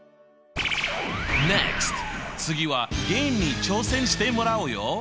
次はゲームに挑戦してもらうよ！